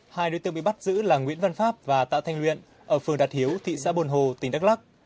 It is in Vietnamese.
hai đối tượng bị bắt giữ là nguyễn văn pháp và tạ thanh luyện ở phường đạt hiếu thị xã bồn hồ tỉnh đắk lắc